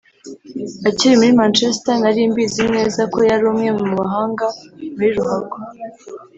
Akiri muri Manchester nari mbizi neza ko yari umwe mu bahanga muri ruhago